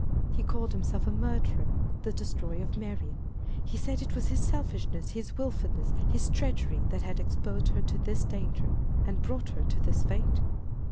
He called himself a murderer, the destroyer of Marian; he said it was his selfishness, his willfulness, his treachery, that had exposed her to this danger, and brought her to this fate!